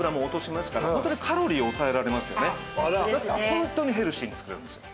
ホントにヘルシーに作れるんですよ。